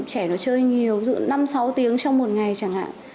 chẳng hạn trẻ nó chơi nhiều dùng năm sáu tiếng trong một ngày chẳng hạn